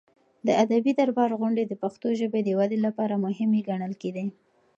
د ادبي دربار غونډې د پښتو ژبې د ودې لپاره مهمې ګڼل کېدې.